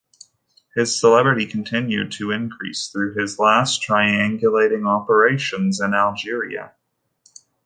His celebrity continued to increase through his last triangulating operations in Algeria.